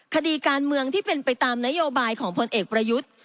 คดีการเมืองที่เป็นไปตามนโยบายของพลเอกประยุทธ์